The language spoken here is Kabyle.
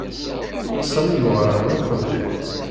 Sami yuɣal ɣer uxeddim.